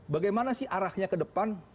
bagaimana sih arahnya ke depan